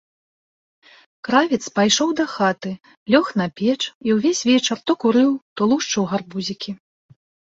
Кравец пайшоў дахаты, лёг на печ і ўвесь вечар то курыў, то лушчыў гарбузікі.